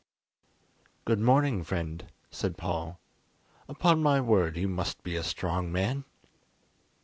"Good morning, friend," said Paul; "upon my word, you must be a strong man!"